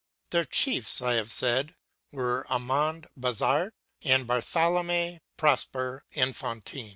Their chiefs, I have said, were Amand Bazard and Barthélemy Prosper Enfantin....